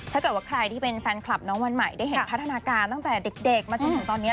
ถ้าเกิดว่าใครที่เป็นแฟนคลับน้องวันใหม่ได้เห็นพัฒนาการตั้งแต่เด็กมาจนถึงตอนนี้